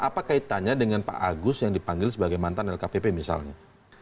apa kaitannya dengan pak agus yang dipanggil sebagai mantan lkpp misalnya